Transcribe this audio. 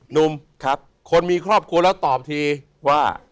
หนุ่มครับคนมีครอบครัวแล้วตอบทีว่า